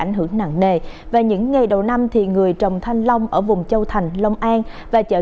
ảnh hưởng nặng nề và những ngày đầu năm người trồng thanh long ở vùng châu thành long an và chợ